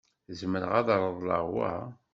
Zemreɣ ad reḍleɣ wa?